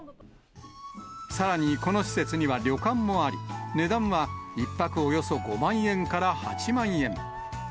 さらにこの施設には旅館もあり、値段は１泊およそ５万円から８万円。